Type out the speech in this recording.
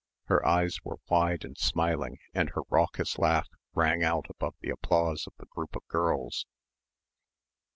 Her eyes were wide and smiling, and her raucous laugh rang out above the applause of the group of girls.